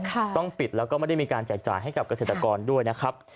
ต้องปิดแล้วก็ไม่ได้มีการแจกจ่ายให้กับเกษตรกรด้วยนะครับ